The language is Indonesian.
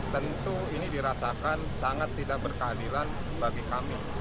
tentu ini dirasakan sangat tidak berkeadilan bagi kami